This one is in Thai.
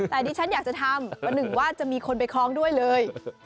แต่ดิฉันอยากจะทำประหนึ่งว่าจะมีคนไปคล้องด้วยเลย